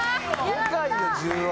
でかいよ１０は。